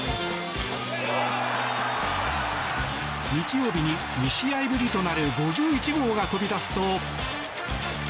日曜日に２試合ぶりとなる５１号が飛び出すと。